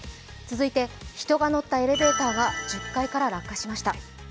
続いて、人が乗ったエレベーターが１０階から落下しました。